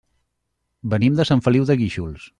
Venim de Sant Feliu de Guíxols.